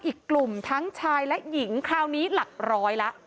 อีกกลุ่มทั้งชายและหญิงคราวนี้หลักร้อยละ